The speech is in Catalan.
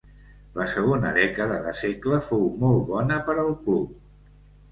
La segona dècada de segle fou molt bona per al club.